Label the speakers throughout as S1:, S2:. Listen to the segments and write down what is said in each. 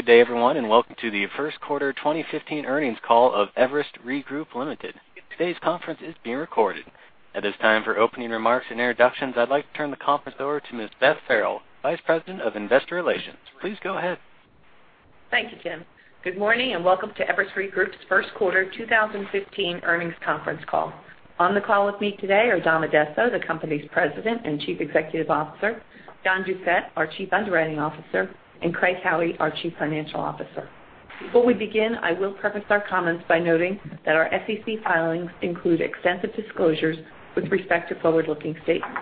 S1: Good day, everyone, and welcome to the first quarter 2015 earnings call of Everest Re Group, Ltd.. Today's conference is being recorded. At this time, for opening remarks and introductions, I'd like to turn the conference over to Ms. Beth Farrell, Vice President of Investor Relations. Please go ahead.
S2: Thank you, Tim. Good morning, and welcome to Everest Re Group's first quarter 2015 earnings conference call. On the call with me today are Dom Addesso, the company's President and Chief Executive Officer, John Doucette, our Chief Underwriting Officer, and Craig Howie, our Chief Financial Officer. Before we begin, I will preface our comments by noting that our SEC filings include extensive disclosures with respect to forward-looking statements.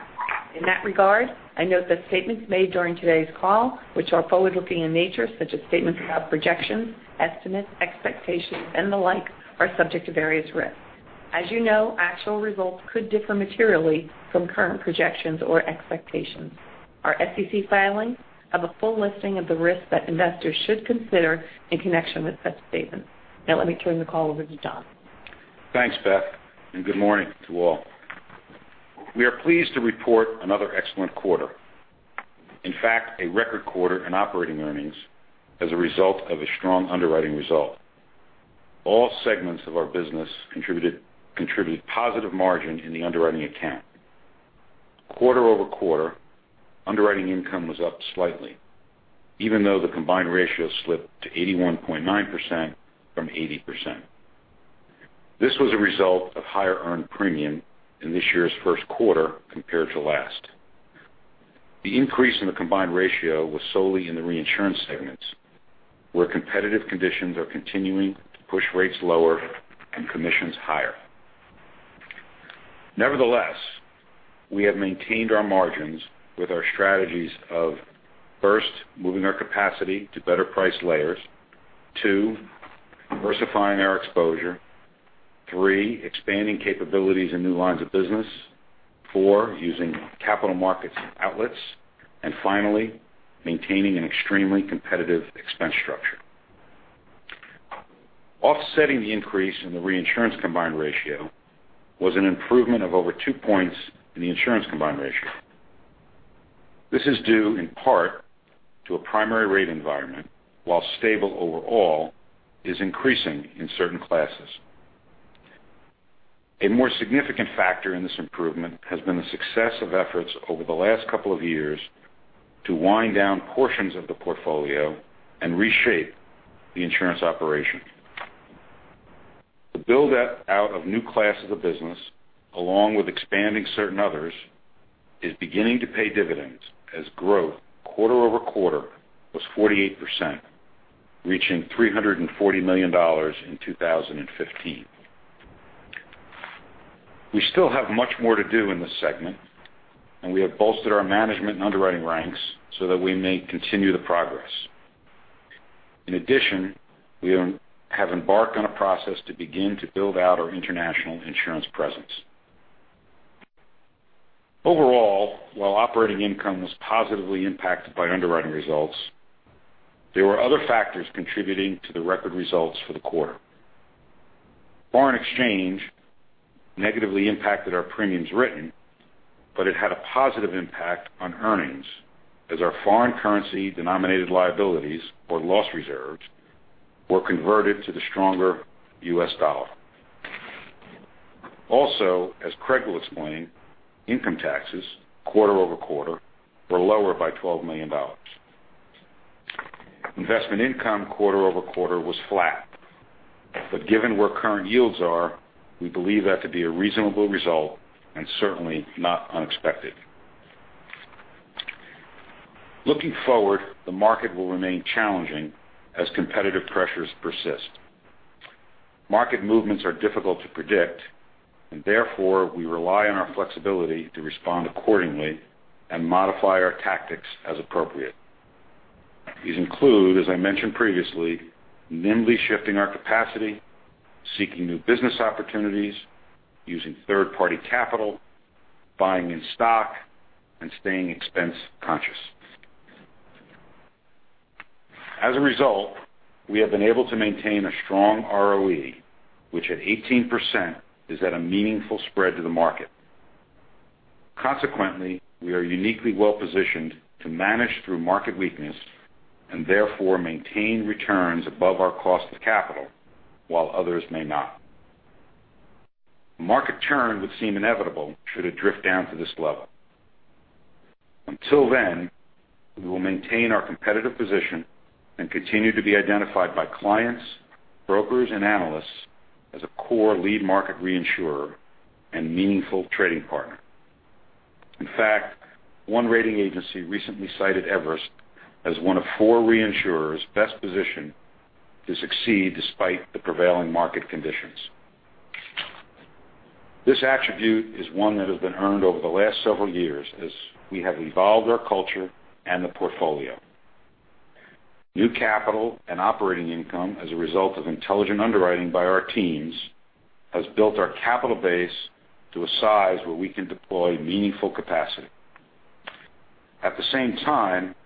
S2: In that regard, I note that statements made during today's call, which are forward-looking in nature, such as statements about projections, estimates, expectations and the like, are subject to various risks. As you know, actual results could differ materially from current projections or expectations. Our SEC filings have a full listing of the risks that investors should consider in connection with such statements. Now, let me turn the call over to John.
S3: Thanks, Beth, and good morning to all. We are pleased to report another excellent quarter. In fact, a record quarter in operating earnings as a result of a strong underwriting result. All segments of our business contributed positive margin in the underwriting account. Quarter-over-quarter, underwriting income was up slightly, even though the combined ratio slipped to 81.9% from 80%. This was a result of higher earned premium in this year's first quarter compared to last. The increase in the combined ratio was solely in the reinsurance segments, where competitive conditions are continuing to push rates lower and commissions higher. Nevertheless, we have maintained our margins with our strategies of, first, moving our capacity to better price layers. two, diversifying our exposure. three, expanding capabilities in new lines of business. four, using capital markets and outlets. Finally, maintaining an extremely competitive expense structure. Offsetting the increase in the reinsurance combined ratio was an improvement of over two points in the insurance combined ratio. This is due in part to a primary rate environment, while stable overall, is increasing in certain classes. A more significant factor in this improvement has been the success of efforts over the last couple of years to wind down portions of the portfolio and reshape the insurance operation. The build out of new classes of business, along with expanding certain others, is beginning to pay dividends as growth quarter-over-quarter was 48%, reaching $340 million in 2015. We still have much more to do in this segment, and we have bolstered our management and underwriting ranks so that we may continue the progress. In addition, we have embarked on a process to begin to build out our international insurance presence. Overall, while operating income was positively impacted by underwriting results, there were other factors contributing to the record results for the quarter. Foreign exchange negatively impacted our premiums written, but it had a positive impact on earnings as our foreign currency denominated liabilities or loss reserves were converted to the stronger U.S. dollar. Also, as Craig will explain, income taxes quarter-over-quarter were lower by $12 million. Investment income quarter-over-quarter was flat. Given where current yields are, we believe that to be a reasonable result and certainly not unexpected. Looking forward, the market will remain challenging as competitive pressures persist. Market movements are difficult to predict. Therefore, we rely on our flexibility to respond accordingly and modify our tactics as appropriate. These include, as I mentioned previously, nimbly shifting our capacity, seeking new business opportunities, using third-party capital, buying in stock and staying expense conscious. As a result, we have been able to maintain a strong ROE, which at 18%, is at a meaningful spread to the market. Consequently, we are uniquely well-positioned to manage through market weakness. Therefore, maintain returns above our cost of capital while others may not. Market turn would seem inevitable should it drift down to this level. Until then, we will maintain our competitive position and continue to be identified by clients, brokers, and analysts as a core lead market reinsurer and meaningful trading partner. In fact, one rating agency recently cited Everest as one of four reinsurers best positioned to succeed despite the prevailing market conditions. This attribute is one that has been earned over the last several years as we have evolved our culture and the portfolio. New capital and operating income as a result of intelligent underwriting by our teams, has built our capital base to a size where we can deploy meaningful capacity. At the same time,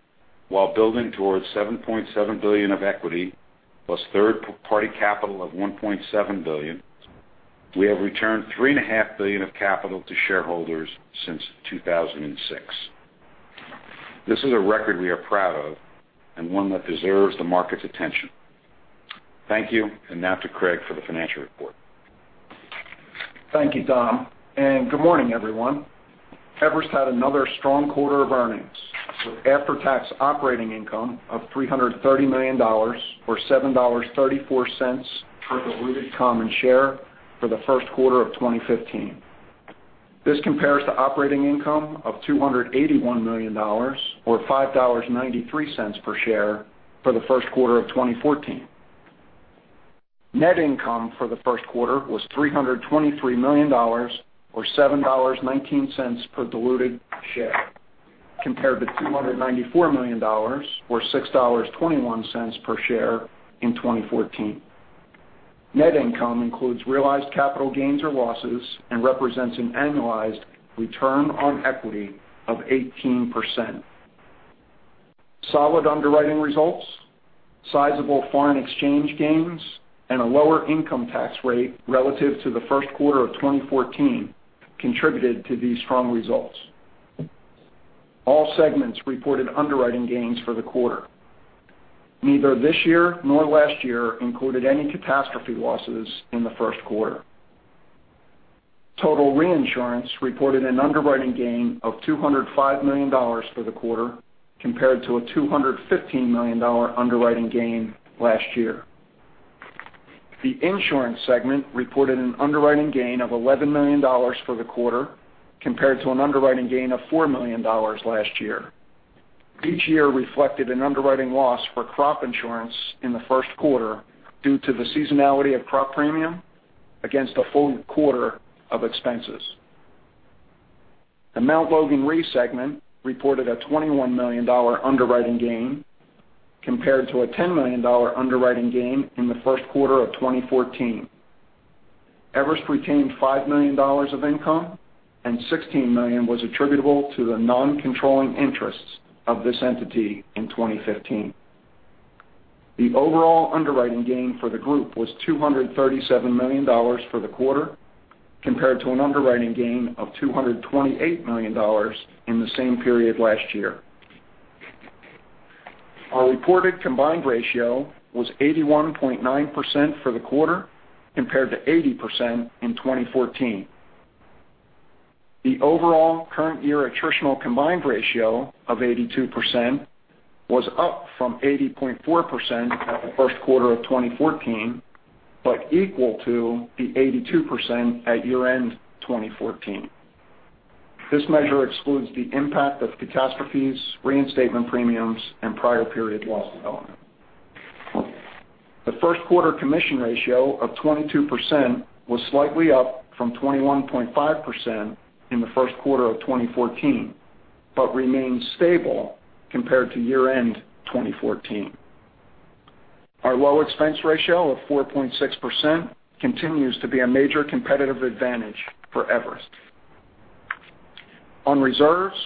S3: while building towards $7.7 billion of equity plus third-party capital of $1.7 billion, we have returned $3.5 billion of capital to shareholders since 2006. This is a record we are proud of and one that deserves the market's attention. Thank you. Now to Craig for the financial report.
S4: Thank you, Dom. Good morning, everyone. Everest had another strong quarter of earnings, with after-tax operating income of $330 million or $7.34 per diluted common share for the first quarter of 2015. This compares to operating income of $281 million or $5.93 per share for the first quarter of 2014. Net income for the first quarter was $323 million or $7.19 per diluted share, compared to $294 million or $6.21 per share in 2014. Net income includes realized capital gains or losses and represents an annualized return on equity of 18%. Solid underwriting results, sizable foreign exchange gains, and a lower income tax rate relative to the first quarter of 2014 contributed to these strong results. All segments reported underwriting gains for the quarter. Neither this year nor last year included any catastrophe losses in the first quarter. Total reinsurance reported an underwriting gain of $205 million for the quarter, compared to a $215 million underwriting gain last year. The insurance segment reported an underwriting gain of $11 million for the quarter, compared to an underwriting gain of $4 million last year. Each year reflected an underwriting loss for crop insurance in the first quarter due to the seasonality of crop premium against a full quarter of expenses. The Mt. Logan Re segment reported a $21 million underwriting gain, compared to a $10 million underwriting gain in the first quarter of 2014. Everest retained $5 million of income, and $16 million was attributable to the non-controlling interests of this entity in 2015. The overall underwriting gain for the group was $237 million for the quarter, compared to an underwriting gain of $228 million in the same period last year. Our reported combined ratio was 81.9% for the quarter, compared to 80% in 2014. The overall current year attritional combined ratio of 82% was up from 80.4% at the first quarter of 2014. Equal to the 82% at year-end 2014, this measure excludes the impact of catastrophes, reinstatement premiums, and prior period loss development. The first quarter commission ratio of 22% was slightly up from 21.5% in the first quarter of 2014. Remains stable compared to year-end 2014, our low expense ratio of 4.6% continues to be a major competitive advantage for Everest. On reserves,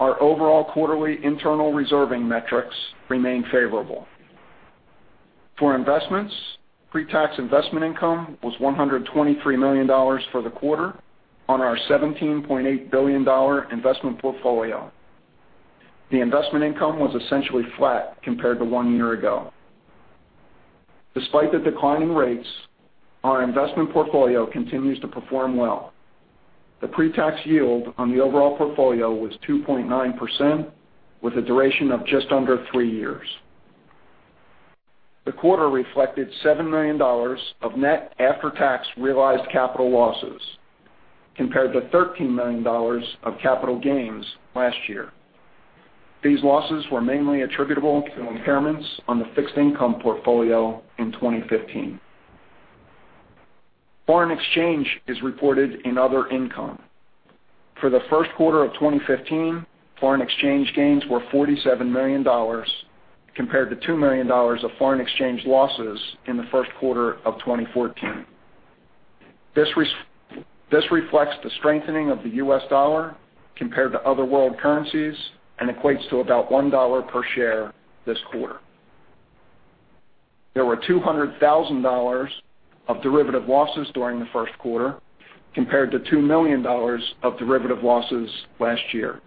S4: our overall quarterly internal reserving metrics remain favorable. For investments, pre-tax investment income was $123 million for the quarter on our $17.8 billion investment portfolio. The investment income was essentially flat compared to one year ago. Despite the declining rates, our investment portfolio continues to perform well. The pre-tax yield on the overall portfolio was 2.9%, with a duration of just under three years. The quarter reflected $7 million of net after-tax realized capital losses, compared to $13 million of capital gains last year. These losses were mainly attributable to impairments on the fixed income portfolio in 2015. Foreign exchange is reported in other income. For the first quarter of 2015, foreign exchange gains were $47 million, compared to $2 million of foreign exchange losses in the first quarter of 2014. This reflects the strengthening of the US dollar compared to other world currencies and equates to about $1 per share this quarter. There were $200,000 of derivative losses during the first quarter, compared to $2 million of derivative losses last year.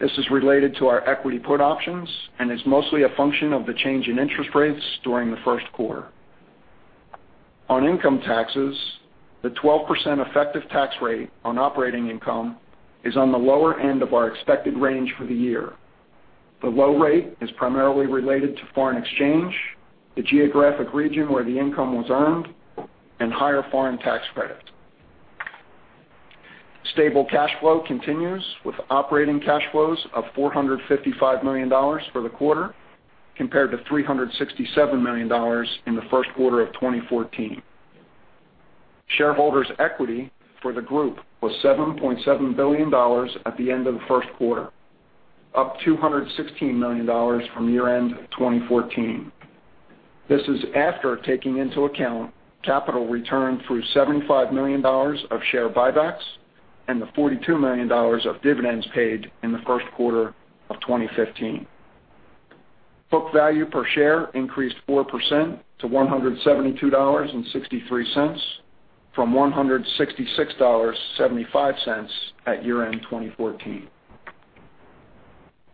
S4: This is related to our equity put options and is mostly a function of the change in interest rates during the first quarter. On income taxes, the 12% effective tax rate on operating income is on the lower end of our expected range for the year. The low rate is primarily related to foreign exchange, the geographic region where the income was earned, and higher foreign tax credit. Stable cash flow continues with operating cash flows of $455 million for the quarter, compared to $367 million in the first quarter of 2014. Shareholders' equity for the group was $7.7 billion at the end of the first quarter, up $216 million from year-end 2014. This is after taking into account capital return through $75 million of share buybacks and the $42 million of dividends paid in the first quarter of 2015. Book value per share increased 4% to $172.63 from $166.75 at year-end 2014.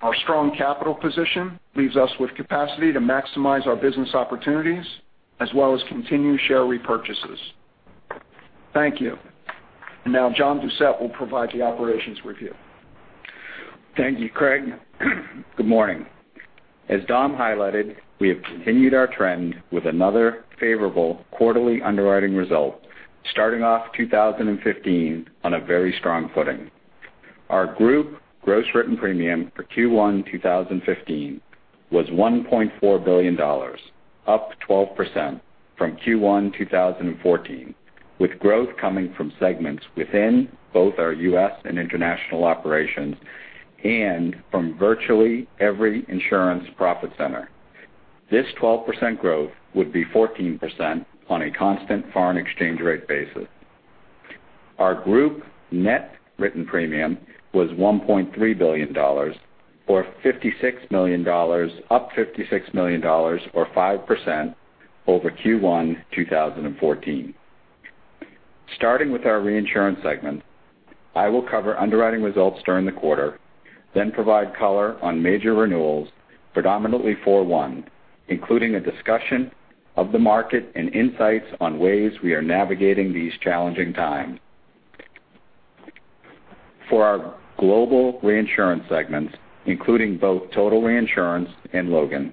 S4: Our strong capital position leaves us with capacity to maximize our business opportunities as well as continue share repurchases. Thank you. John Doucette will provide the operations review.
S5: Thank you, Craig. Good morning. As Dom highlighted, we have continued our trend with another favorable quarterly underwriting result, starting off 2015 on a very strong footing. Our group gross written premium for Q1 2015 was $1.4 billion, up 12% from Q1 2014, with growth coming from segments within both our U.S. and international operations and from virtually every insurance profit center. This 12% growth would be 14% on a constant foreign exchange rate basis. Our group net written premium was $1.3 billion, up $56 million, or 5%, over Q1 2014. Starting with our reinsurance segment, I will cover underwriting results during the quarter, then provide color on major renewals predominantly for 4/1, including a discussion of the market and insights on ways we are navigating these challenging times. For our global reinsurance segments, including both total reinsurance and Logan,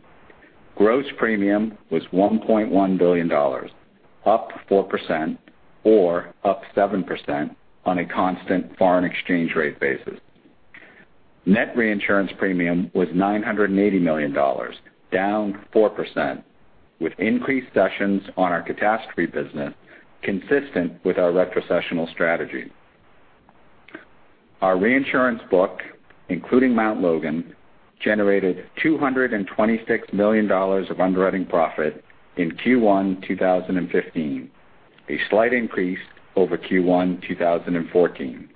S5: gross premium was $1.1 billion, up 4%, or up 7% on a constant foreign exchange rate basis. Net reinsurance premium was $980 million, down 4%, with increased sessions on our catastrophe business consistent with our retrocessional strategy. Our reinsurance book, including Mount Logan, generated $226 million of underwriting profit in Q1 2015, a slight increase over Q1 2014.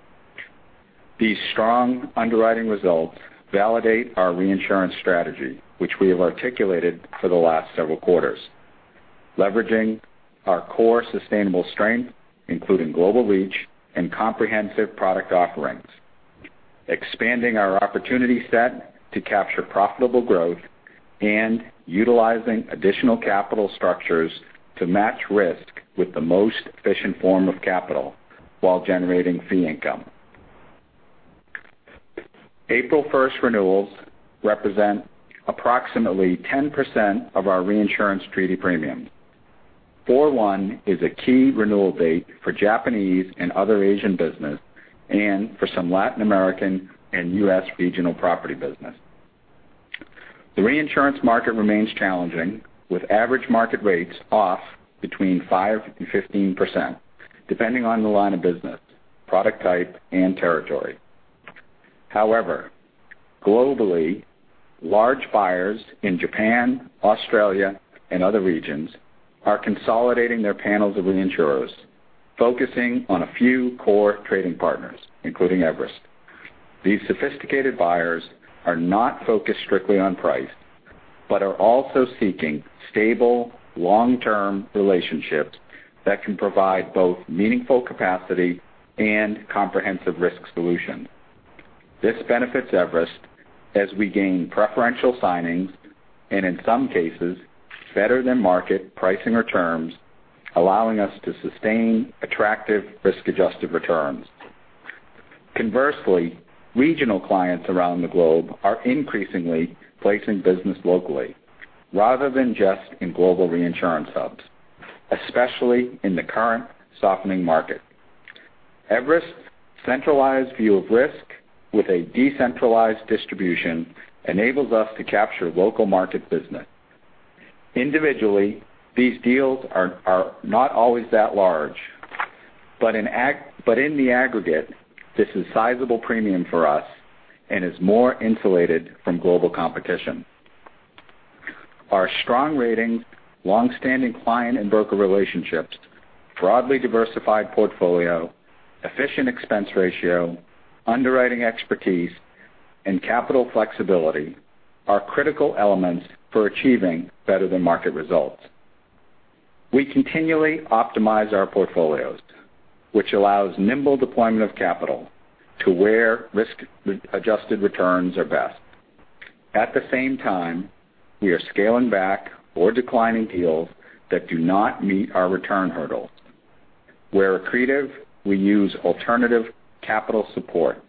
S5: These strong underwriting results validate our reinsurance strategy, which we have articulated for the last several quarters, leveraging our core sustainable strength, including global reach and comprehensive product offerings, expanding our opportunity set to capture profitable growth, and utilizing additional capital structures to match risk with the most efficient form of capital while generating fee income. April 1st renewals represent approximately 10% of our reinsurance treaty premiums. 4/1 is a key renewal date for Japanese and other Asian business and for some Latin American and U.S. regional property business. The reinsurance market remains challenging, with average market rates off between 5%-15%, depending on the line of business, product type, and territory. However, globally, large buyers in Japan, Australia, and other regions are consolidating their panels of reinsurers, focusing on a few core trading partners, including Everest. These sophisticated buyers are not focused strictly on price, but are also seeking stable, long-term relationships that can provide both meaningful capacity and comprehensive risk solutions. This benefits Everest as we gain preferential signings and, in some cases, better-than-market pricing or terms, allowing us to sustain attractive risk-adjusted returns. Conversely, regional clients around the globe are increasingly placing business locally rather than just in global reinsurance hubs, especially in the current softening market. Everest's centralized view of risk with a decentralized distribution enables us to capture local market business. Individually, these deals are not always that large, but in the aggregate, this is sizable premium for us and is more insulated from global competition. Our strong ratings, longstanding client and broker relationships, broadly diversified portfolio, efficient expense ratio, underwriting expertise, and capital flexibility are critical elements for achieving better-than-market results. We continually optimize our portfolios, which allows nimble deployment of capital to where risk-adjusted returns are best. At the same time, we are scaling back or declining deals that do not meet our return hurdles. Where accretive, we use alternative capital support.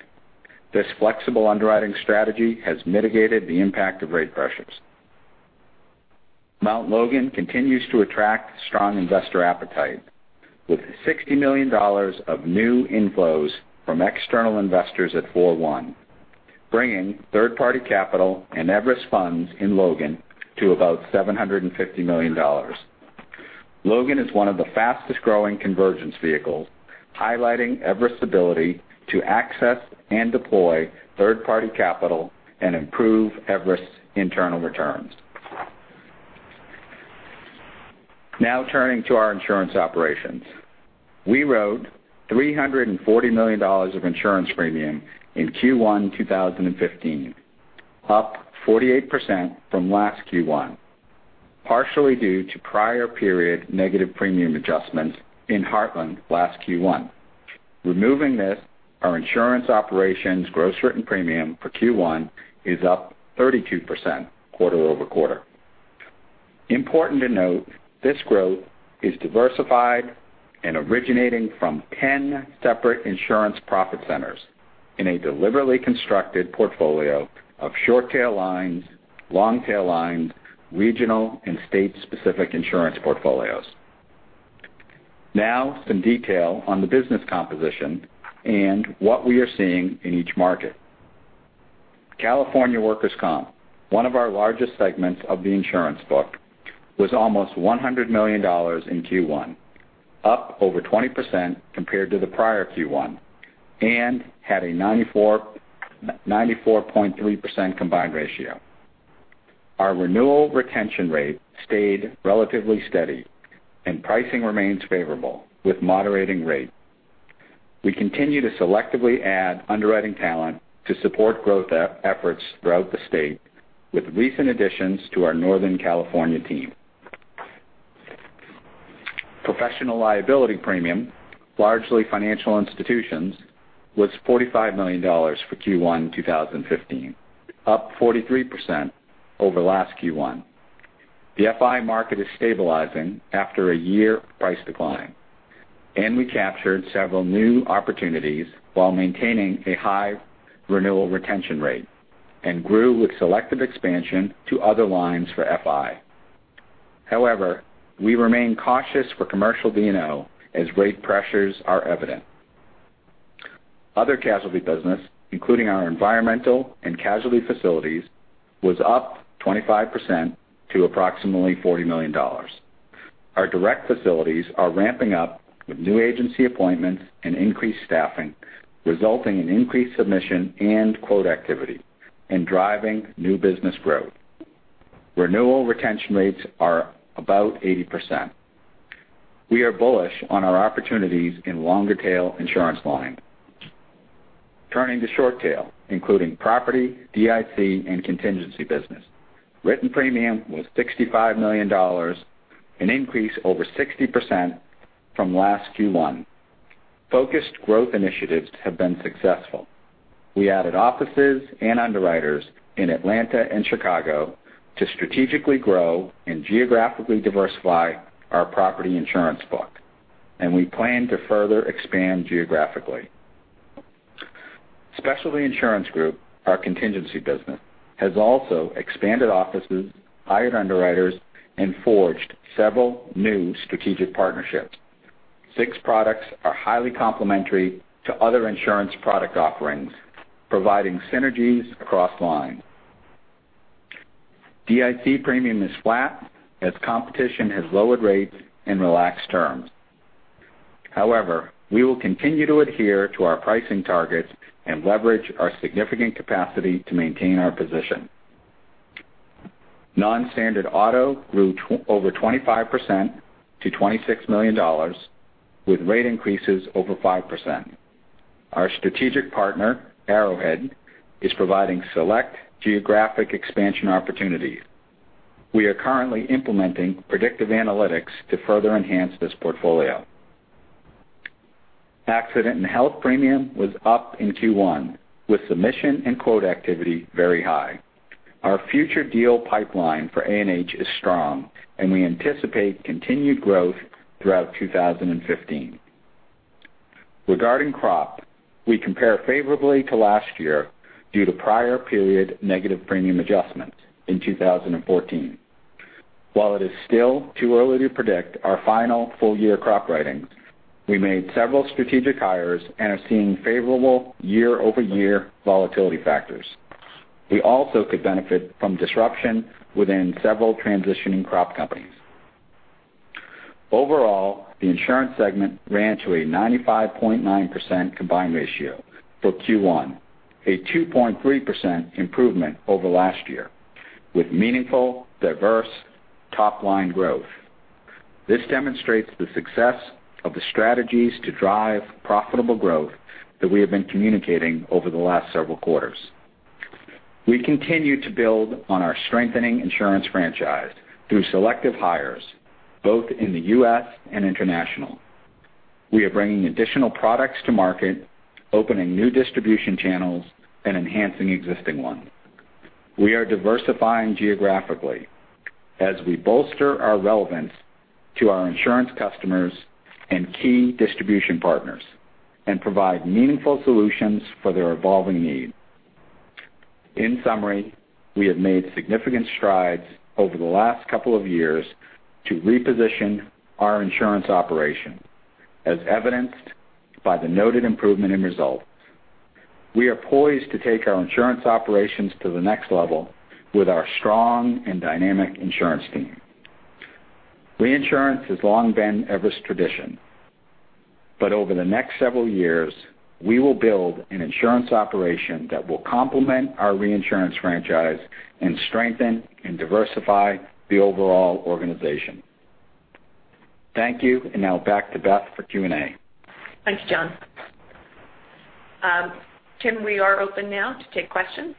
S5: This flexible underwriting strategy has mitigated the impact of rate pressures. Mount Logan continues to attract strong investor appetite, with $60 million of new inflows from external investors at four-one, bringing third-party capital and Everest funds in Logan to about $750 million. Logan is one of the fastest-growing convergence vehicles, highlighting Everest's ability to access and deploy third-party capital and improve Everest's internal returns. Now turning to our insurance operations. We wrote $340 million of insurance premium in Q1 2015, up 48% from last Q1, partially due to prior period negative premium adjustments in Heartland last Q1. Removing this, our insurance operations gross written premium for Q1 is up 32% quarter-over-quarter. Important to note, this growth is diversified and originating from 10 separate insurance profit centers in a deliberately constructed portfolio of short tail lines, long tail lines, regional and state-specific insurance portfolios. Now some detail on the business composition and what we are seeing in each market. California workers' comp, one of our largest segments of the insurance book, was almost $100 million in Q1, up over 20% compared to the prior Q1, and had a 94.3% combined ratio. Our renewal retention rate stayed relatively steady and pricing remains favorable, with moderating rate. We continue to selectively add underwriting talent to support growth efforts throughout the state, with recent additions to our Northern California team. Professional liability premium, largely financial institutions, was $45 million for Q1 2015, up 43% over last Q1. The FI market is stabilizing after a year of price decline, and we captured several new opportunities while maintaining a high renewal retention rate and grew with selective expansion to other lines for FI. However, we remain cautious for commercial D&O as rate pressures are evident. Other casualty business, including our environmental and casualty facilities, was up 25% to approximately $40 million. Our direct facilities are ramping up with new agency appointments and increased staffing, resulting in increased submission and quote activity and driving new business growth. Renewal retention rates are about 80%. We are bullish on our opportunities in longer tail insurance line. Turning to short tail, including property, DIC, and contingency business. Written premium was $65 million, an increase over 60% from last Q1. Focused growth initiatives have been successful. We added offices and underwriters in Atlanta and Chicago to strategically grow and geographically diversify our property insurance book, and we plan to further expand geographically. Specialty Insurance Group, our contingency business, has also expanded offices, hired underwriters, and forged several new strategic partnerships. SIG's products are highly complementary to other insurance product offerings, providing synergies across lines. DIC premium is flat as competition has lowered rates and relaxed terms. We will continue to adhere to our pricing targets and leverage our significant capacity to maintain our position. Non-standard auto grew over 25% to $26 million, with rate increases over 5%. Our strategic partner, Arrowhead, is providing select geographic expansion opportunities. We are currently implementing predictive analytics to further enhance this portfolio. Accident and Health premium was up in Q1, with submission and quote activity very high. Our future deal pipeline for A&H is strong, and we anticipate continued growth throughout 2015. Regarding crop, we compare favorably to last year due to prior period negative premium adjustments in 2014. While it is still too early to predict our final full-year crop writings, we made several strategic hires and are seeing favorable year-over-year volatility factors. We also could benefit from disruption within several transitioning crop companies. The insurance segment ran to a 95.9% combined ratio for Q1, a 2.3% improvement over last year with meaningful, diverse top-line growth. This demonstrates the success of the strategies to drive profitable growth that we have been communicating over the last several quarters. We continue to build on our strengthening insurance franchise through selective hires, both in the U.S. and international. We are bringing additional products to market, opening new distribution channels, and enhancing existing ones. We are diversifying geographically as we bolster our relevance to our insurance customers and key distribution partners and provide meaningful solutions for their evolving needs. In summary, we have made significant strides over the last couple of years to reposition our insurance operation, as evidenced by the noted improvement in results. We are poised to take our insurance operations to the next level with our strong and dynamic insurance team. Reinsurance has long been Everest's tradition.
S3: Over the next several years, we will build an insurance operation that will complement our reinsurance franchise and strengthen and diversify the overall organization. Thank you, and now back to Beth for Q&A.
S2: Thanks, John. Tim, we are open now to take questions.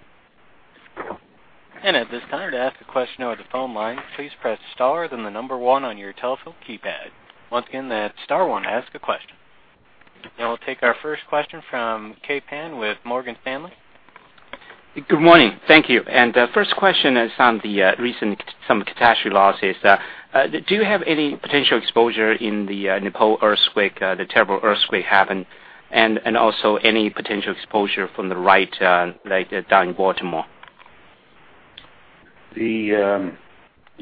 S1: At this time, to ask a question over the phone line, please press star then the number one on your telephone keypad. Once again, that's star one to ask a question. Now we'll take our first question from Kai Pan with Morgan Stanley.
S6: Good morning. Thank you. First question is on the recent, some catastrophe losses. Do you have any potential exposure in the Nepal earthquake, the terrible earthquake happened? Also any potential exposure from the riot down in Baltimore?
S3: In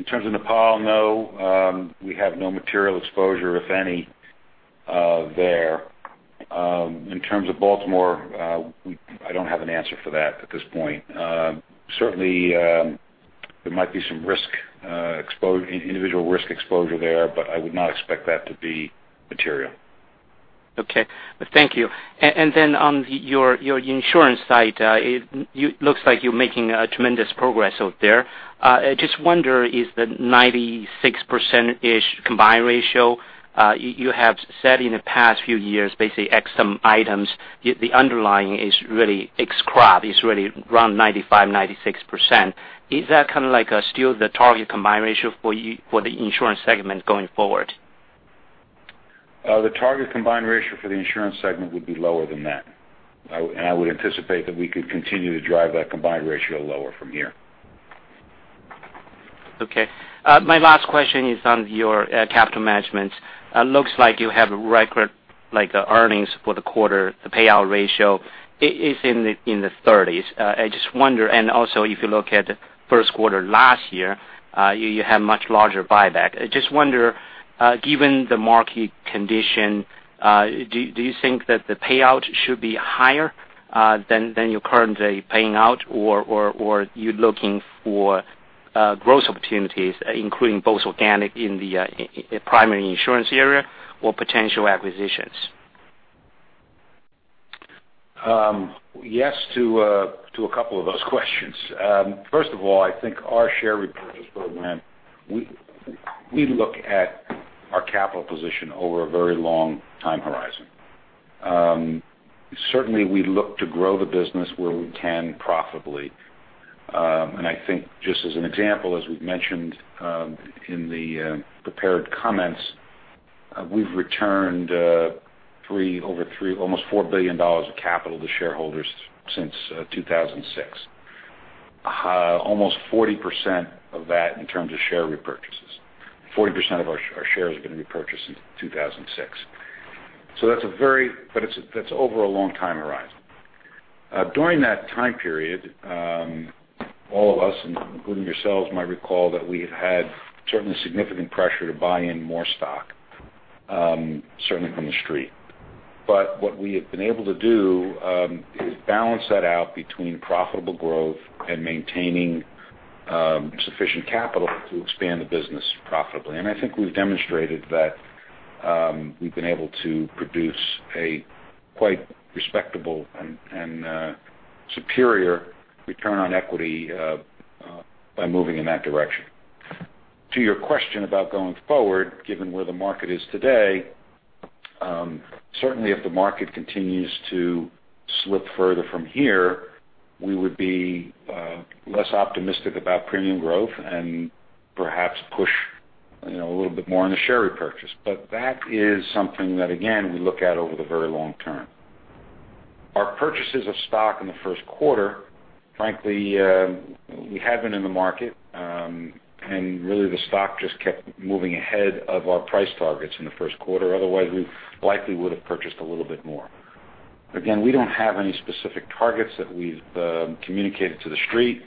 S3: terms of Nepal, no. We have no material exposure, if any, there. In terms of Baltimore, I don't have an answer for that at this point. Certainly, there might be some individual risk exposure there, but I would not expect that to be material.
S6: Okay. Thank you. On your insurance side, it looks like you're making tremendous progress out there. I just wonder, is the 96%-ish combined ratio you have said in the past few years, basically ex some items, the underlying is really extraordinary, is really around 95%, 96%. Is that kind of like still the target combined ratio for the insurance segment going forward?
S3: The target combined ratio for the insurance segment would be lower than that. I would anticipate that we could continue to drive that combined ratio lower from here.
S6: Okay. My last question is on your capital management. It looks like you have record earnings for the quarter. The payout ratio is in the 30s. I just wonder, and also, if you look at first quarter last year, you had much larger buyback. I just wonder, given the market condition, do you think that the payout should be higher than you're currently paying out, or you're looking for growth opportunities, including both organic in the primary insurance area or potential acquisitions?
S3: Yes to a couple of those questions. First of all, I think our share repurchase program, we look at our capital position over a very long time horizon. Certainly, we look to grow the business where we can profitably. I think, just as an example, as we've mentioned in the prepared comments, we've returned almost $4 billion of capital to shareholders since 2006. Almost 40% of that in terms of share repurchases. 40% of our shares have been repurchased since 2006. That's over a long time horizon. During that time period, all of us, including yourselves, might recall that we have had certainly significant pressure to buy in more stock, certainly from The Street. What we have been able to do is balance that out between profitable growth and maintaining sufficient capital to expand the business profitably. I think we've demonstrated that we've been able to produce a quite respectable and superior return on equity by moving in that direction. To your question about going forward, given where the market is today, certainly if the market continues to slip further from here, we would be less optimistic about premium growth and perhaps push a little bit more on the share repurchase. That is something that, again, we look at over the very long term. Our purchases of stock in the first quarter, frankly, we have been in the market, and really the stock just kept moving ahead of our price targets in the first quarter. Otherwise, we likely would have purchased a little bit more. Again, we don't have any specific targets that we've communicated to The Street,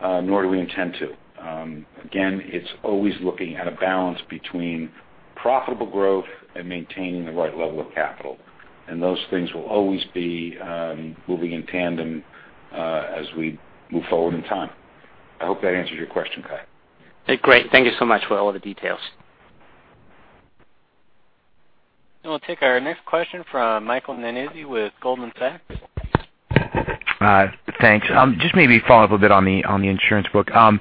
S3: nor do we intend to. Again, it's always looking at a balance between profitable growth and maintaining the right level of capital. Those things will always be moving in tandem as we move forward in time. I hope that answers your question, Kai.
S6: Great. Thank you so much for all the details.
S1: Now we'll take our next question from Michael Nannizzi with Goldman Sachs.
S7: Thanks. Maybe follow up a bit on the insurance book. Trying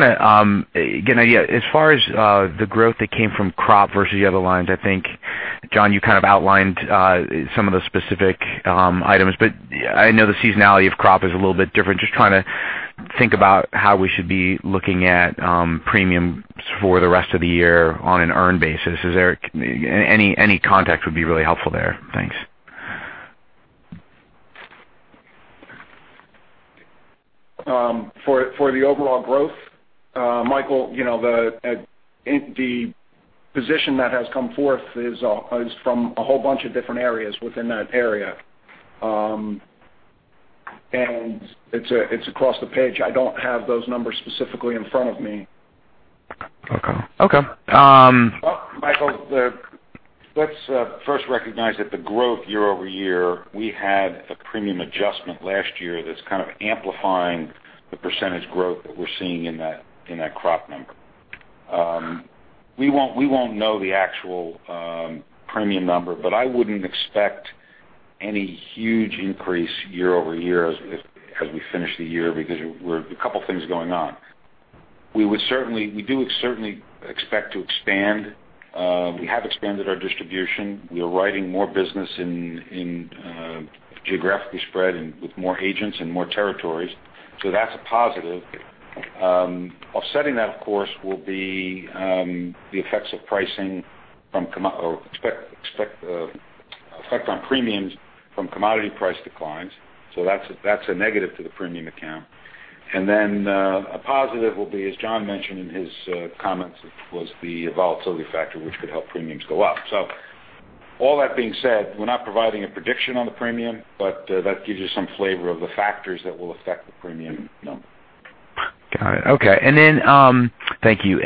S7: to get an idea. As far as the growth that came from crop versus the other lines, I think, John, you kind of outlined some of the specific items, but I know the seasonality of crop is a little bit different. Trying to think about how we should be looking at premiums for the rest of the year on an earned basis. Any context would be really helpful there. Thanks.
S4: For the overall growth, Michael, the position that has come forth is from a whole bunch of different areas within that area. It's across the page. I don't have those numbers specifically in front of me.
S7: Okay.
S3: Michael, let's first recognize that the growth year-over-year, we had a premium adjustment last year that's kind of amplifying the percentage growth that we're seeing in that crop number. We won't know the actual premium number, but I wouldn't expect any huge increase year-over-year as we finish the year because there were a couple things going on. We do certainly expect to expand. We have expanded our distribution. We are writing more business in geographically spread and with more agents and more territories. That's a positive. Offsetting that, of course, will be the effects of pricing from effect on premiums from commodity price declines. That's a negative to the premium account. A positive will be, as John mentioned in his comments, was the volatility factor, which could help premiums go up. All that being said, we're not providing a prediction on the premium, but that gives you some flavor of the factors that will affect the premium number.
S7: Got it. Okay. Thank you.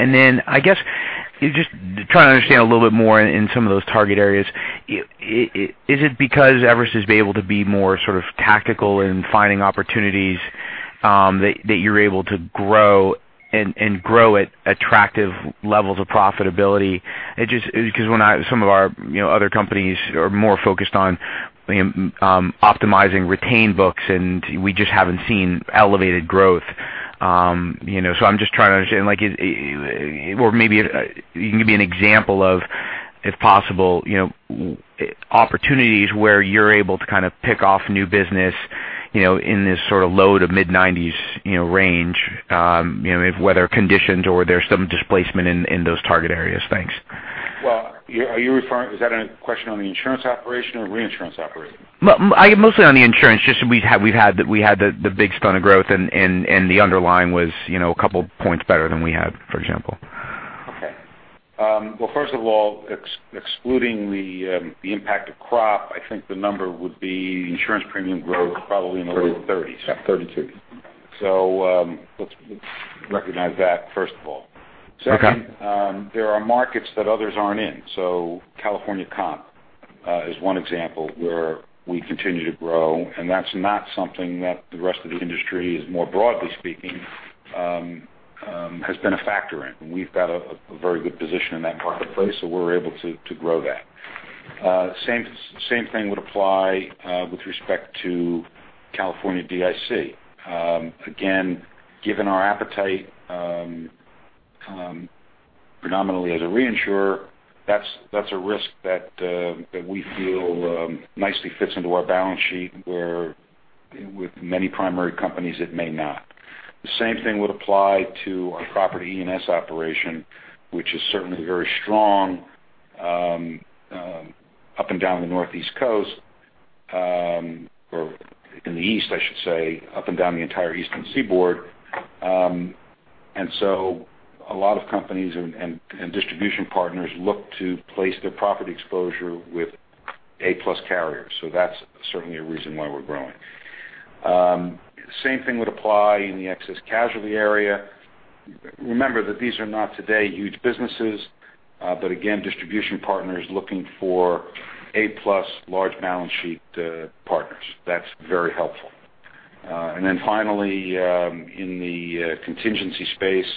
S7: I guess just trying to understand a little bit more in some of those target areas. Is it because Everest has been able to be more sort of tactical in finding opportunities that you're able to grow and grow at attractive levels of profitability? Some of our other companies are more focused on optimizing retained books, and we just haven't seen elevated growth. I'm just trying to understand, or maybe you can give me an example of, if possible, opportunities where you're able to kind of pick off new business in this sort of low to mid-'90s range, if weather conditions or there's some displacement in those target areas. Thanks.
S3: Well, is that a question on the insurance operation or reinsurance operation?
S7: Mostly on the insurance, just we had the big spurt of growth, and the underlying was a couple points better than we had, for example.
S3: Okay. Well, first of all, excluding the impact of crop, I think the number would be insurance premium growth probably in the low 30s.
S4: Yeah, 32.
S3: Let's recognize that, first of all.
S7: Okay.
S3: Second, there are markets that others aren't in. California comp is one example where we continue to grow, and that's not something that the rest of the industry is more broadly speaking, has been a factor in. We've got a very good position in that marketplace, we're able to grow that. Same thing would apply with respect to California DIC. Again, given our appetite predominantly as a reinsurer, that's a risk that we feel nicely fits into our balance sheet, where with many primary companies, it may not. The same thing would apply to our property E&S operation, which is certainly very strong up and down the Northeast Coast, or in the East, I should say, up and down the entire Eastern Seaboard. A lot of companies and distribution partners look to place their property exposure with A-plus carriers. That's certainly a reason why we're growing. Same thing would apply in the excess casualty area. Remember that these are not today huge businesses. Again, distribution partners looking for A-plus large balance sheet partners. That's very helpful. Finally, in the contingency space,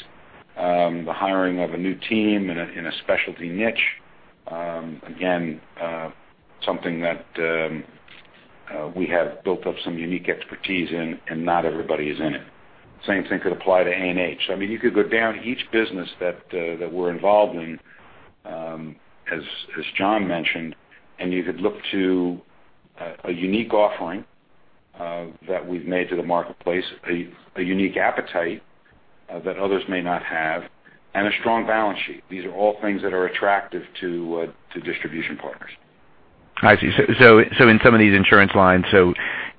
S3: the hiring of a new team in a specialty niche, again, something that we have built up some unique expertise in, and not everybody is in it. Same thing could apply to A&H. You could go down each business that we're involved in, as John mentioned, you could look to a unique offering that we've made to the marketplace, a unique appetite that others may not have, and a strong balance sheet. These are all things that are attractive to distribution partners.
S7: I see. In some of these insurance lines,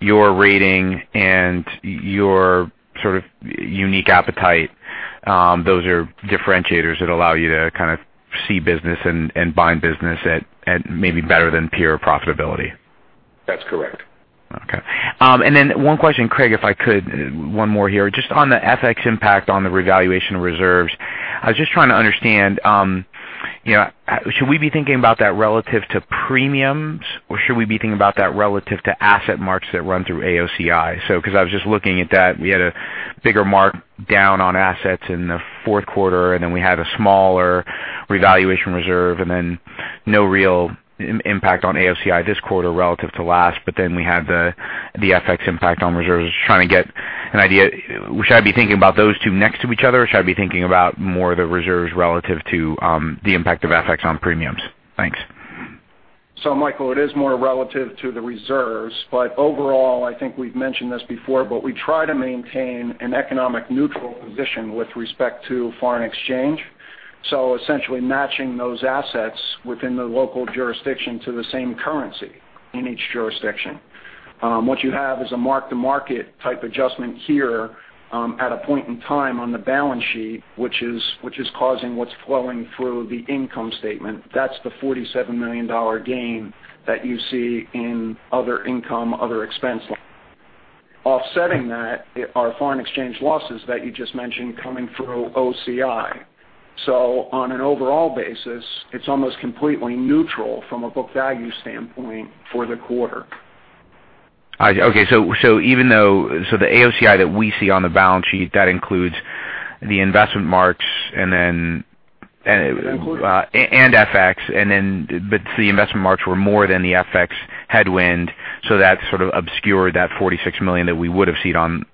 S7: your rating and your sort of unique appetite, those are differentiators that allow you to kind of see business and bind business at maybe better than peer profitability.
S3: That's correct.
S7: Okay. One question, Craig, if I could, one more here. Just on the FX impact on the revaluation of reserves, I was just trying to understand, should we be thinking about that relative to premiums, or should we be thinking about that relative to asset marks that run through AOCI? Because I was just looking at that. We had a bigger mark down on assets in the fourth quarter, we had a smaller revaluation reserve and no real impact on AOCI this quarter relative to last. We had the FX impact on reserves. Just trying to get an idea. Should I be thinking about those two next to each other, or should I be thinking about more the reserves relative to the impact of FX on premiums? Thanks.
S4: Michael, it is more relative to the reserves, overall, I think we've mentioned this before, we try to maintain an economic neutral position with respect to foreign exchange. Essentially matching those assets within the local jurisdiction to the same currency in each jurisdiction. What you have is a mark-to-market type adjustment here at a point in time on the balance sheet, which is causing what's flowing through the income statement. That's the $47 million gain that you see in other income, other expense. Offsetting that are foreign exchange losses that you just mentioned coming through OCI. On an overall basis, it's almost completely neutral from a book value standpoint for the quarter.
S7: Okay. The AOCI that we see on the balance sheet, that includes the investment marks.
S4: That's included
S7: FX, but the investment marks were more than the FX headwind, so that sort of obscured that $46 million that we would have seen on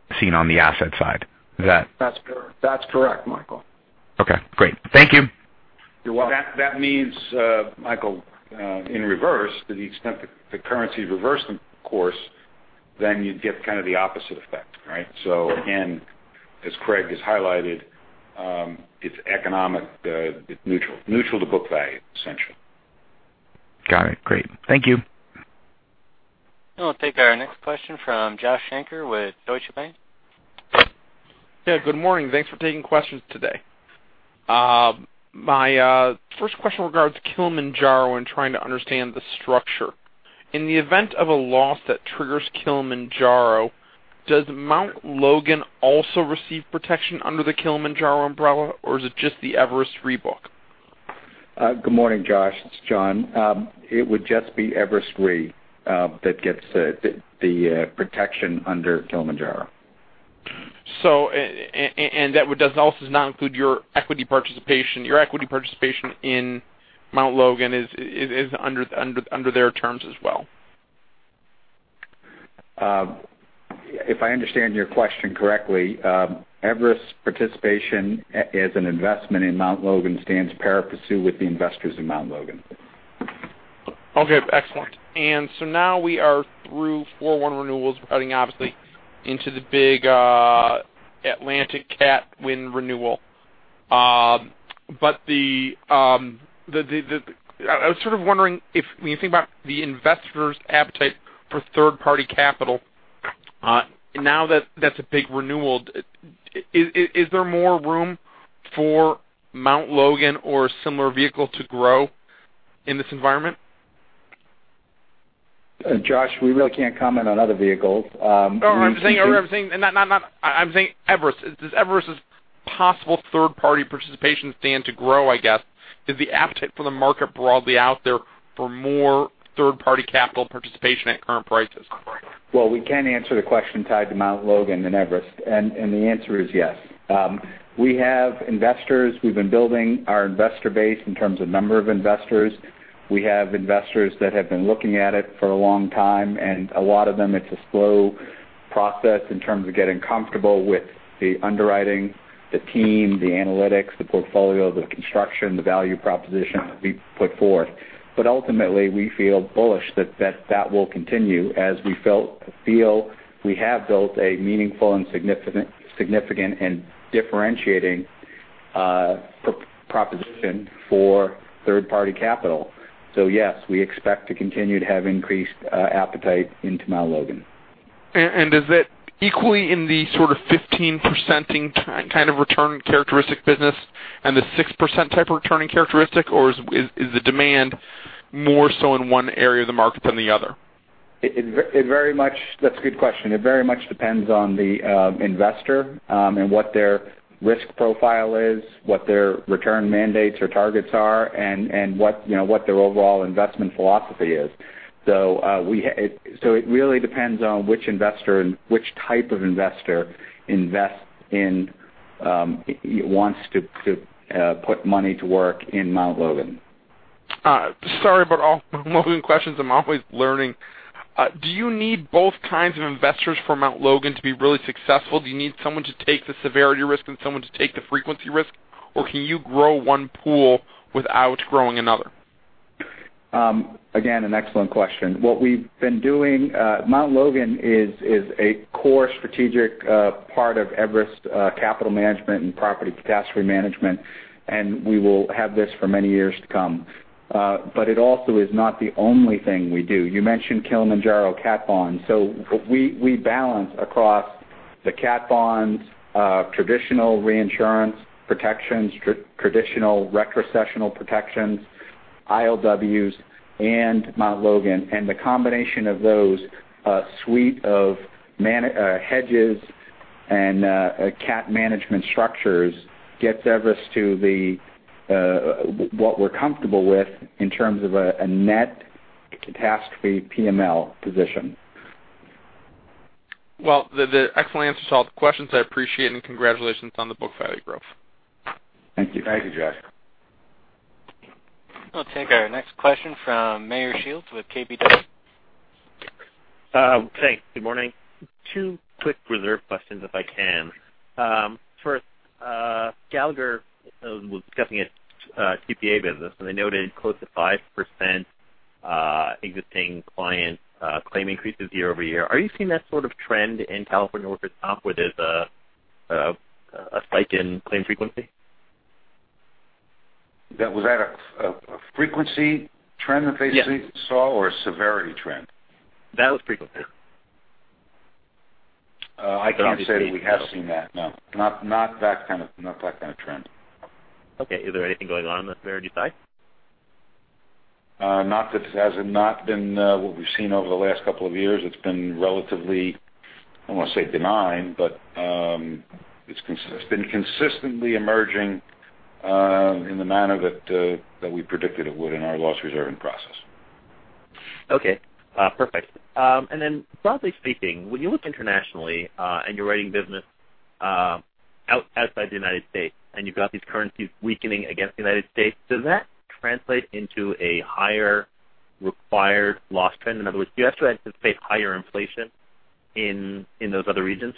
S7: the asset side. Is that?
S4: That's correct, Michael.
S7: Okay, great. Thank you.
S3: You're welcome.
S4: That means, Michael, in reverse, to the extent the currency reversed course, then you'd get kind of the opposite effect, right? Again, as Craig has highlighted, it's economic, it's neutral to book value, essentially.
S7: Got it. Great. Thank you.
S1: Now we'll take our next question from Joshua Shanker with Deutsche Bank.
S8: Yeah, good morning. Thanks for taking questions today. My first question regards Kilimanjaro and trying to understand the structure. In the event of a loss that triggers Kilimanjaro, does Mount Logan also receive protection under the Kilimanjaro umbrella, or is it just the Everest Re book?
S5: Good morning, Josh. It's John. It would just be Everest Re that gets the protection under Kilimanjaro.
S8: That does also not include your equity participation. Your equity participation in Mount Logan is under their terms as well.
S5: If I understand your question correctly, Everest's participation as an investment in Mount Logan stands pari passu with the investors in Mount Logan.
S8: Okay, excellent. Now we are through 4/1 renewals. We're heading obviously into the big Atlantic cat wind renewal. I was sort of wondering if, when you think about the investors' appetite for third-party capital, now that that's a big renewal, is there more room for Mount Logan or a similar vehicle to grow in this environment?
S5: Josh, we really can't comment on other vehicles.
S8: Oh, I'm saying Everest. Does Everest's possible third-party participation stand to grow, I guess? Is the appetite for the market broadly out there for more third-party capital participation at current prices?
S5: Well, we can answer the question tied to Mount Logan and Everest, the answer is yes. We have investors. We've been building our investor base in terms of number of investors. We have investors that have been looking at it for a long time, a lot of them, it's a slow process in terms of getting comfortable with the underwriting, the team, the analytics, the portfolio, the construction, the value proposition that we put forward. Ultimately, we feel bullish that that will continue as we feel we have built a meaningful and significant and differentiating proposition for third-party capital. Yes, we expect to continue to have increased appetite into Mount Logan.
S8: Is it equally in the sort of 15% kind of return characteristic business and the 6% type of returning characteristic, is the demand more so in one area of the market than the other?
S5: That's a good question. It very much depends on the investor, what their risk profile is, what their return mandates or targets are, what their overall investment philosophy is. It really depends on which investor and which type of investor wants to put money to work in Mount Logan.
S8: Sorry about all the Mount Logan questions. I'm always learning. Do you need both kinds of investors for Mount Logan to be really successful? Do you need someone to take the severity risk and someone to take the frequency risk, can you grow one pool without growing another?
S5: An excellent question. What we've been doing, Mount Logan is a core strategic part of Everest Capital Management and Property Catastrophe Management, we will have this for many years to come. It also is not the only thing we do. You mentioned Kilimanjaro cat bonds. We balance across the cat bonds, traditional reinsurance protections, traditional retrocessional protections, ILWs and Mount Logan. The combination of those suite of hedges and cat management structures gets Everest to what we're comfortable with in terms of a net catastrophe PML position.
S8: Well, the excellent answers to all the questions, I appreciate and congratulations on the book value growth.
S5: Thank you.
S3: Thank you, Josh.
S1: I'll take our next question from Meyer Shields with KBW.
S9: Thanks. Good morning. Two quick reserve questions, if I can. First, Gallagher was discussing its TPA business, and they noted close to 5% existing client claim increases year-over-year. Are you seeing that sort of trend in California workers' comp where there's a spike in claim frequency?
S3: Was that a frequency trend that they-
S9: Yes
S3: saw or a severity trend?
S9: That was frequency.
S3: I can't say that we have seen that. No. Not that kind of trend.
S9: Okay. Is there anything going on on the severity side?
S3: It has not been what we've seen over the last couple of years. It's been relatively I don't want to say benign, but it's been consistently emerging in the manner that we predicted it would in our loss reserving process.
S9: Okay. Perfect. Broadly speaking, when you look internationally and you're writing business outside the United States, and you've got these currencies weakening against the United States, does that translate into a higher required loss trend? In other words, do you have to anticipate higher inflation in those other regions?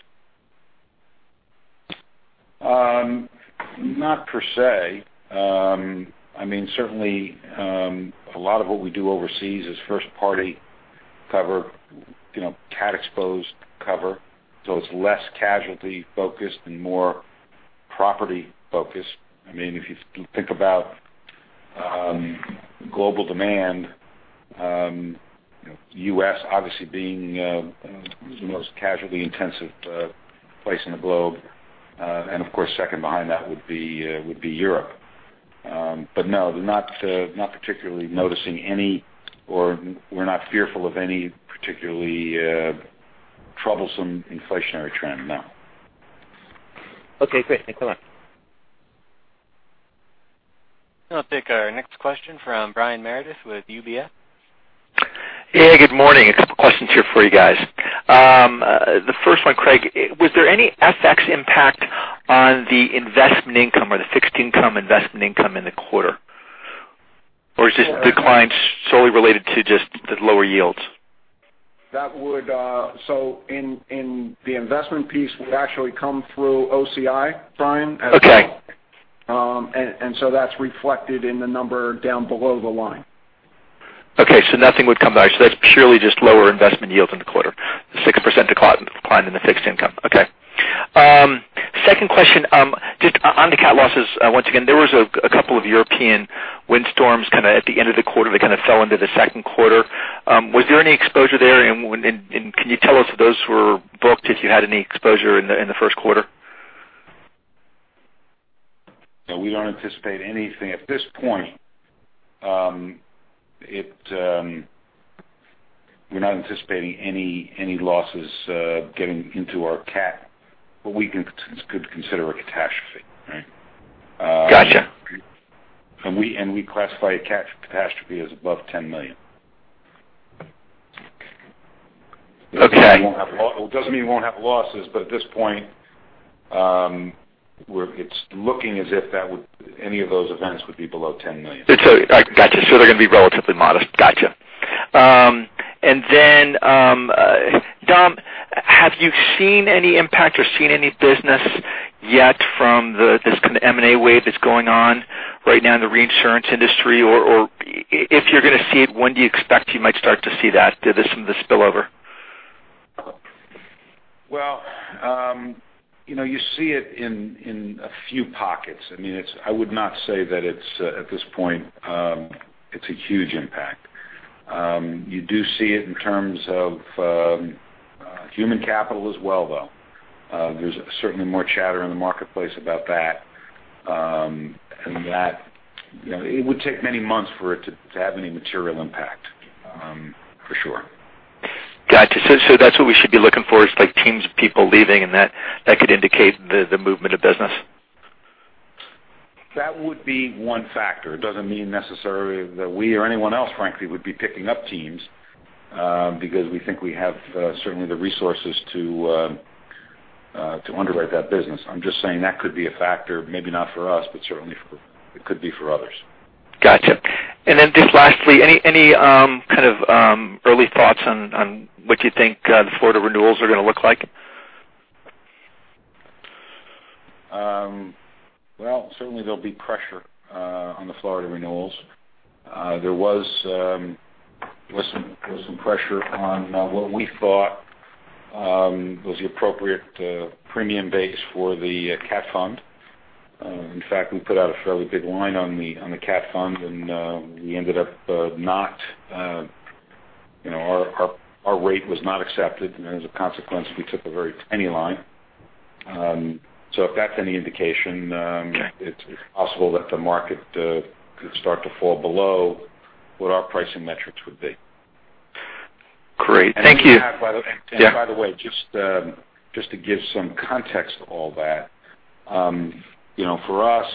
S3: Not per se. Certainly, a lot of what we do overseas is first-party cover, cat exposed cover. It's less casualty focused and more property focused. If you think about global demand, U.S. obviously being the most casualty intensive place in the globe. Of course, second behind that would be Europe. No, not particularly noticing any, or we're not fearful of any particularly troublesome inflationary trend. No.
S9: Okay, great. Thanks a lot.
S1: I'll take our next question from Brian Meredith with UBS.
S10: Hey, good morning. A couple questions here for you guys. The first one, Craig, was there any FX impact on the investment income or the fixed income investment income in the quarter? Or is this decline solely related to just the lower yields?
S4: In the investment piece, would actually come through OCI, Brian, as well.
S10: Okay.
S4: That's reflected in the number down below the line.
S10: Okay, nothing would come back. That's purely just lower investment yields in the quarter, 6% decline in the fixed income. Okay. Second question, just on the cat losses, once again, there was a couple of European windstorms at the end of the quarter that kind of fell into the second quarter. Was there any exposure there? Can you tell us if those were booked, if you had any exposure in the first quarter?
S3: No, we don't anticipate anything at this point. We're not anticipating any losses getting into our cat, what we could consider a catastrophe, right?
S10: Got you.
S3: We classify a cat catastrophe as above $10 million.
S10: Okay.
S3: It doesn't mean we won't have losses, but at this point, it's looking as if any of those events would be below $10 million.
S10: Got you. They're going to be relatively modest. Got you. Dom, have you seen any impact or seen any business yet from this kind of M&A wave that's going on right now in the reinsurance industry? Or if you're going to see it, when do you expect you might start to see that, some of the spill-over?
S3: You see it in a few pockets. I would not say that at this point it's a huge impact. You do see it in terms of human capital as well, though. There's certainly more chatter in the marketplace about that. It would take many months for it to have any material impact, for sure.
S10: Got you. That's what we should be looking for, is like teams of people leaving, and that could indicate the movement of business?
S3: That would be one factor. It doesn't mean necessarily that we or anyone else, frankly, would be picking up teams because we think we have certainly the resources to underwrite that business. I'm just saying that could be a factor, maybe not for us, but certainly it could be for others.
S10: Got you. Then just lastly, any kind of early thoughts on what you think the Florida renewals are going to look like?
S3: Well, certainly there'll be pressure on the Florida renewals. There was some pressure on what we thought was the appropriate premium base for the cat fund. In fact, we put out a fairly big line on the cat fund, our rate was not accepted. As a consequence, we took a very tiny line. If that's any indication.
S10: Okay
S3: It's possible that the market could start to fall below what our pricing metrics would be.
S10: Great. Thank you.
S3: By the way, just to give some context to all that. For us,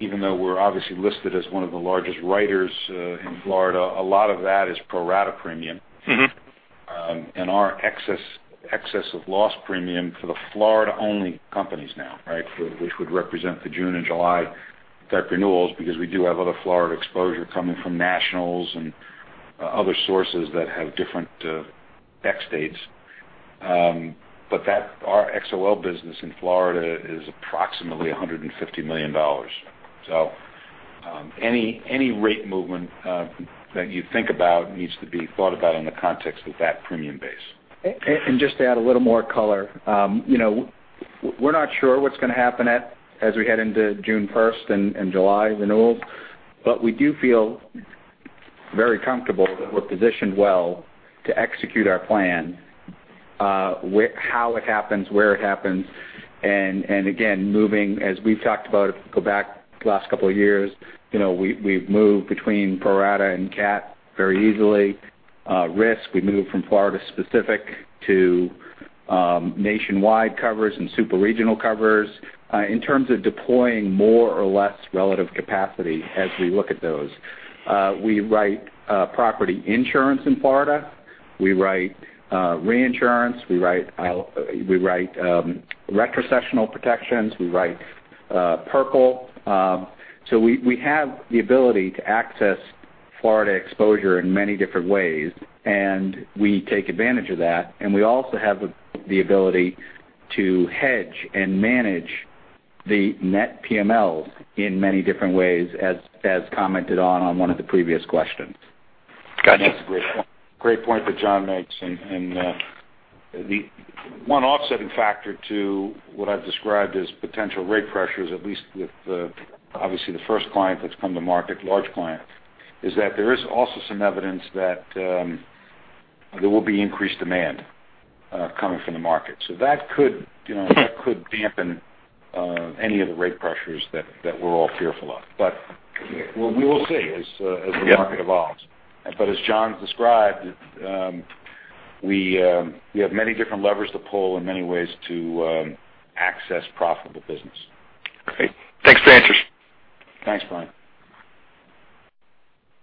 S3: even though we're obviously listed as one of the largest writers in Florida, a lot of that is pro-rata premium. Our excess of loss premium for the Florida-only companies now, which would represent the June and July cat renewals, because we do have other Florida exposure coming from nationals and other sources that have different backdates. Our XOL business in Florida is approximately $150 million. Any rate movement that you think about needs to be thought about in the context of that premium base.
S5: Just to add a little more color. We're not sure what's going to happen as we head into June 1st and July renewals, but we do feel very comfortable that we're positioned well to execute our plan. How it happens, where it happens, and again, moving as we've talked about, if you go back the last couple of years, we've moved between pro rata and Cat very easily. Risk, we moved from Florida specific to nationwide covers and super regional covers in terms of deploying more or less relative capacity as we look at those. We write property insurance in Florida. We write reinsurance. We write retrocessional protections. We write peril by peril. We have the ability to access Florida exposure in many different ways, and we take advantage of that, and we also have the ability to hedge and manage the net PMLs in many different ways as commented on one of the previous questions.
S3: Got you.
S10: That's a great point that John makes. The one offsetting factor to what I've described as potential rate pressures, at least with obviously the first client that's come to market, large client, is that there is also some evidence that there will be increased demand coming from the market. That could dampen any of the rate pressures that we're all fearful of. We will see as the market evolves. As John described, we have many different levers to pull and many ways to access profitable business. Great. Thanks for the answers.
S3: Thanks, Brian.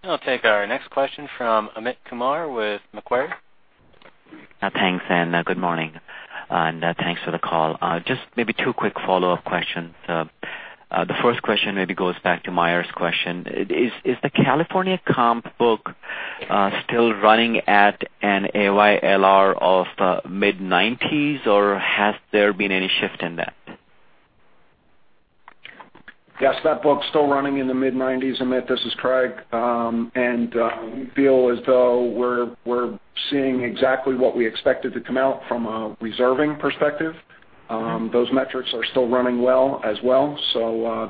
S1: I'll take our next question from Amit Kumar with Macquarie.
S11: Thanks, good morning, and thanks for the call. Just maybe two quick follow-up questions. The first question maybe goes back to Meyer's question. Is the California comp book still running at an AYLR of mid-90s, or has there been any shift in that?
S4: Yes, that book's still running in the mid-90s, Amit. This is Craig. We feel as though we're seeing exactly what we expected to come out from a reserving perspective. Those metrics are still running well as well.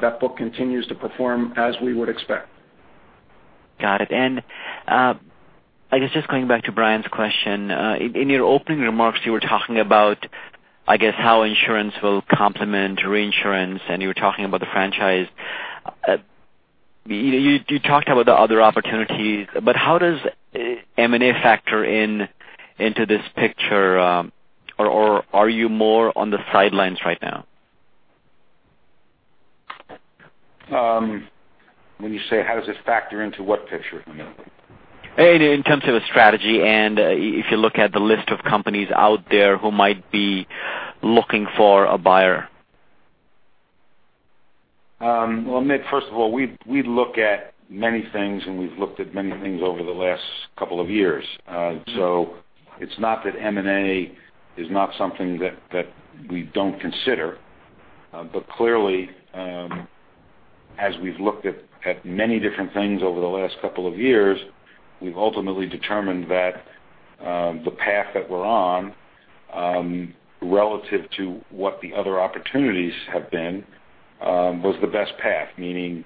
S4: That book continues to perform as we would expect.
S11: Got it. I guess just going back to Brian's question, in your opening remarks, you were talking about, I guess, how insurance will complement reinsurance, and you were talking about the franchise. You talked about the other opportunities, but how does M&A factor into this picture? Are you more on the sidelines right now?
S3: When you say how does it factor into what picture, Amit?
S11: In terms of a strategy and if you look at the list of companies out there who might be looking for a buyer.
S3: Well, Amit, first of all, we look at many things, and we've looked at many things over the last couple of years. It's not that M&A is not something that we don't consider. Clearly, as we've looked at many different things over the last couple of years, we've ultimately determined that the path that we're on, relative to what the other opportunities have been, was the best path, meaning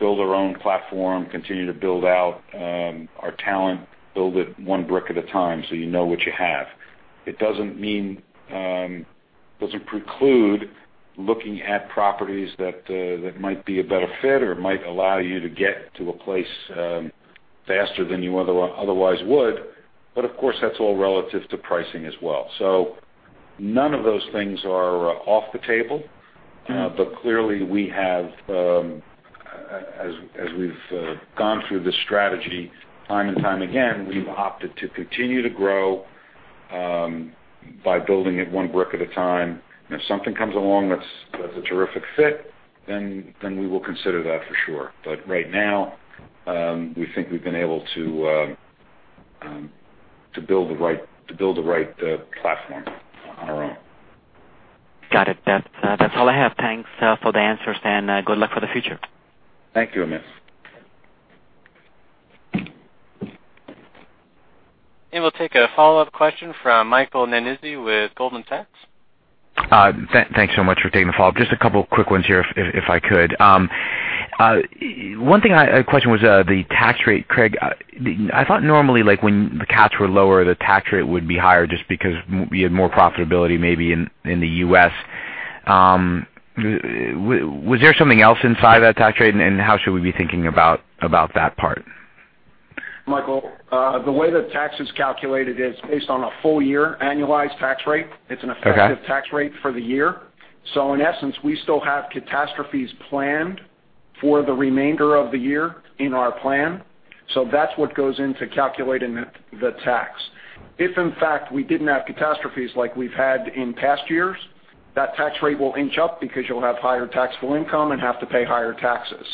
S3: build our own platform, continue to build out our talent, build it one brick at a time so you know what you have. It doesn't preclude looking at properties that might be a better fit or might allow you to get to a place faster than you otherwise would. Of course, that's all relative to pricing as well. None of those things are off the table. Clearly, as we've gone through this strategy, time and time again, we've opted to continue to grow by building it one brick at a time. If something comes along that's a terrific fit, then we will consider that for sure. Right now, we think we've been able to build the right platform on our own.
S11: Got it. That's all I have. Thanks for the answers and good luck for the future.
S3: Thank you, Amit.
S1: We'll take a follow-up question from Michael Nannizzi with Goldman Sachs.
S7: Thanks so much for taking the follow-up. Just a couple quick ones here if I could. One question was the tax rate, Craig. I thought normally, like when the cats were lower, the tax rate would be higher just because you had more profitability maybe in the U.S. Was there something else inside that tax rate, and how should we be thinking about that part?
S4: Michael, the way that tax is calculated is based on a full year annualized tax rate. It's an effective tax rate for the year. In essence, we still have catastrophes planned for the remainder of the year in our plan. That's what goes into calculating the tax. If, in fact, we didn't have catastrophes like we've had in past years, that tax rate will inch up because you'll have higher taxable income and have to pay higher taxes.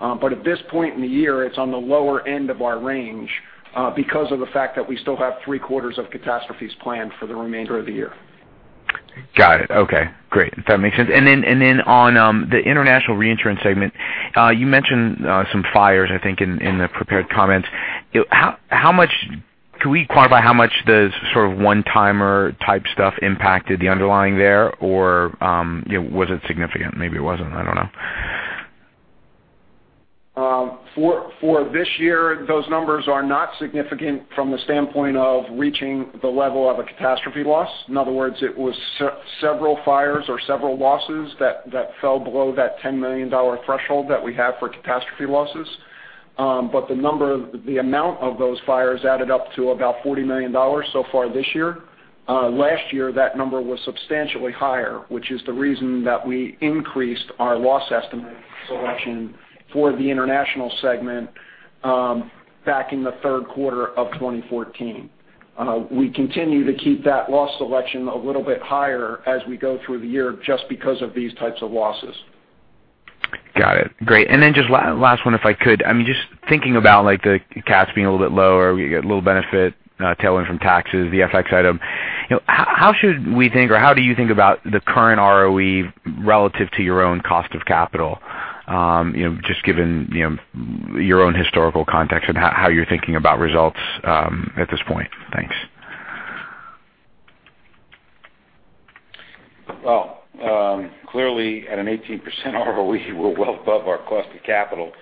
S4: At this point in the year, it's on the lower end of our range because of the fact that we still have three quarters of catastrophes planned for the remainder of the year.
S7: Got it. Okay, great. That makes sense. On the international reinsurance segment, you mentioned some fires, I think, in the prepared comments. Can we quantify how much the sort of one-timer type stuff impacted the underlying there, or was it significant? Maybe it wasn't, I don't know.
S3: For this year, those numbers are not significant from the standpoint of reaching the level of a catastrophe loss. In other words, it was several fires or several losses that fell below that $10 million threshold that we have for catastrophe losses. The amount of those fires added up to about $40 million so far this year. Last year, that number was substantially higher, which is the reason that we increased our loss estimate selection for the international segment back in the third quarter of 2014. We continue to keep that loss selection a little bit higher as we go through the year, just because of these types of losses.
S7: Got it. Great. Just last one, if I could. Just thinking about the cats being a little bit lower, we get a little benefit tailwind from taxes, the FX item. How should we think, or how do you think about the current ROE relative to your own cost of capital? Just given your own historical context and how you're thinking about results at this point. Thanks.
S3: Clearly, at an 18% ROE we're well above our cost of capital.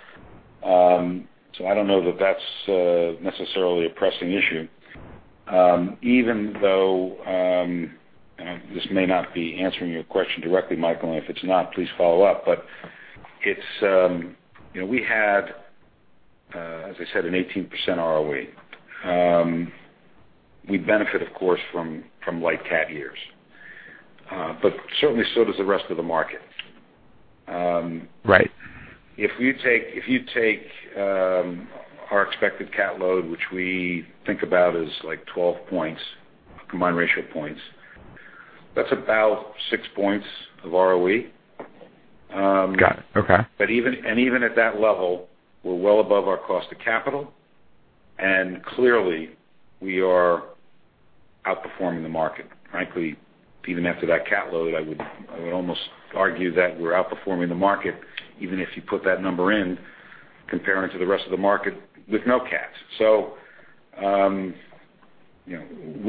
S3: I don't know that's necessarily a pressing issue. Even though, and this may not be answering your question directly, Michael, and if it's not, please follow up. We had, as I said, an 18% ROE. We benefit, of course, from light cat years. Certainly so does the rest of the market.
S7: Right.
S3: If you take our expected cat load, which we think about as 12 points, combined ratio points, that's about six points of ROE.
S7: Got it. Okay.
S3: Even at that level, we're well above our cost of capital, and clearly we are outperforming the market. Frankly, even after that cat load, I would almost argue that we're outperforming the market, even if you put that number in comparing to the rest of the market with no cats.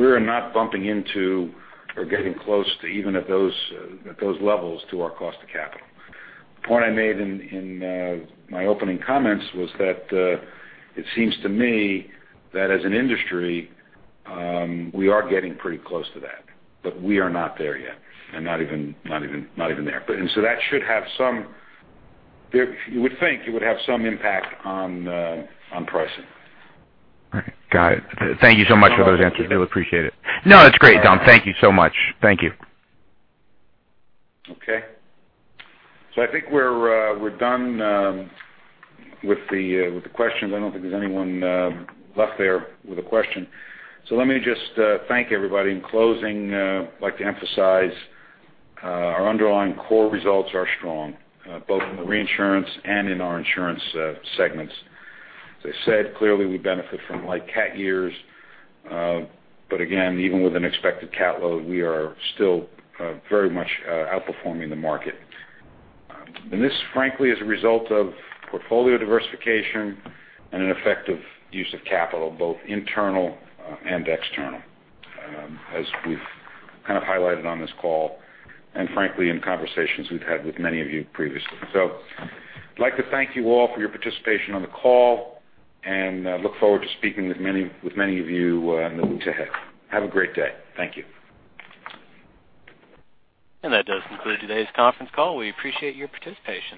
S3: We're not bumping into or getting close to, even at those levels, to our cost of capital. The point I made in my opening comments was that it seems to me that as an industry, we are getting pretty close to that. We are not there yet and not even there. You would think it would have some impact on pricing.
S7: All right. Got it. Thank you so much for those answers. Really appreciate it. That's great, Don. Thank you so much. Thank you.
S3: Okay. I think we're done with the questions. I don't think there's anyone left there with a question. Let me just thank everybody. In closing, I'd like to emphasize our underlying core results are strong, both in the reinsurance and in our insurance segments. As I said, clearly we benefit from light cat years. Again, even with an expected cat load, we are still very much outperforming the market. This, frankly, is a result of portfolio diversification and an effective use of capital, both internal and external, as we've kind of highlighted on this call, and frankly, in conversations we've had with many of you previously. I'd like to thank you all for your participation on the call, and I look forward to speaking with many of you in the weeks ahead. Have a great day. Thank you.
S1: That does conclude today's conference call. We appreciate your participation